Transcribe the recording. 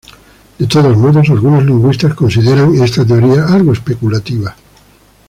De todos modos, algunos lingüistas consideran esta teoría algo especulativa.